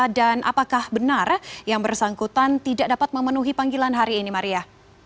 dan apakah benar yang bersangkutan tidak dapat memenuhi panggilan hari ini maria